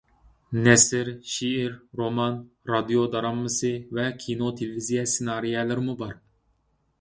نەسر، شېئىر، رومان، رادىيو دىرامىسى ۋە كىنو تېلېۋىزىيە سېنارىيەلىرىمۇ بار.